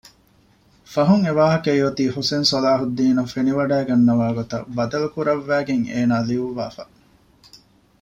ފަހުން އެވާހަކަ އެއޮތީ ޙުސައިން ޞަލާޙުއްދީނަށް ފެނިވަޑައިގަންނަވާ ގޮތަށް ބަދަލުކުރައްވައިގެން އޭނާ ލިޔުއްވާފަ